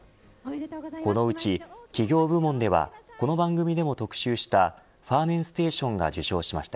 このうち企業部門ではこの番組でも特集したファーメンステーションが受賞しました。